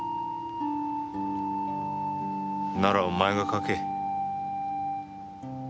ならお前が書け。